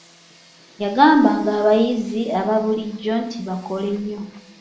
Yagambanga ng'abayizzi aba bulijjo nti bakole nnyo..